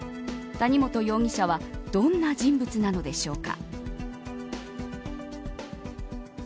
谷本容疑者はどんな人物なのでしょうか。